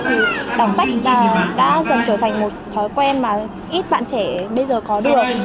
thì đọc sách đã dần trở thành một thói quen mà ít bạn trẻ bây giờ có được